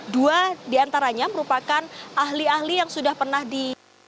dua diantaranya merupakan ahli ahli yang sudah pernah di